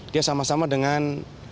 dia sama sama dengan